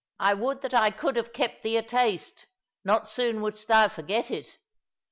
I would that I could have kept thee a taste; not soon wouldst thou forget it.